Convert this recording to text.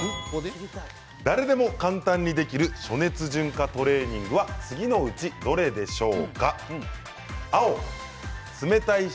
誰でも簡単にできる暑熱順化トレーニングは次のうちどれでしょう。